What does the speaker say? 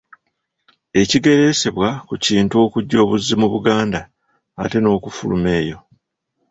Ekigereesebwa ku Kintu okujja obuzzi mu Buganda ate n'okufuluma eyo.